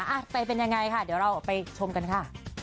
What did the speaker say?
อ่ะไปเป็นยังไงค่ะเดี๋ยวเราไปชมกันค่ะ